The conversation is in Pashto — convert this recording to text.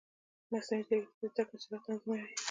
مصنوعي ځیرکتیا د زده کړې سرعت تنظیموي.